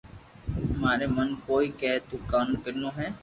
ماري من ڪوئي ڪي تو ڪنو ھي